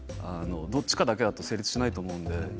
どっちかだけだったら成立しないと思うので。